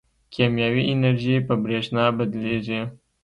کیمیاوي انرژي په برېښنا بدلېږي.